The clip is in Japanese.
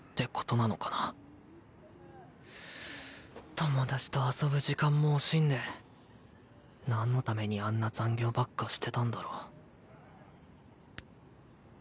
友達と遊ぶ時間も惜しんでなんのためにあんな残業ばっかしてたんだろう。